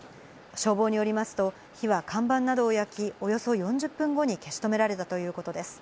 消防によりますと、火は看板などを焼き、およそ４０分後に消し止められたということです。